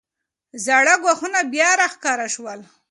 زاړه ګواښونه بیا راښکاره شول.